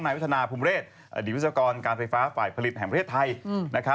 นายวิทยาภูมิเรศอดีตวิทยากรการไฟฟ้าฝ่ายผลิตแห่งเรศไทย